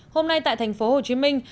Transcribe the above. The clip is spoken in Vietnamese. hôm nay tại thành phố hồ chí minh